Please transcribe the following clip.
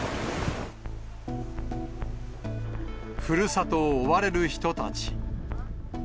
ふるさとを追われる人たち。